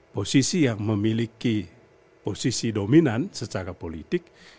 posisi yang memiliki posisi dominan secara politik